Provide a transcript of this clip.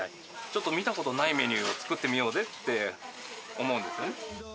ちょっと見たことないメニューを作ってみようぜって思うんですね。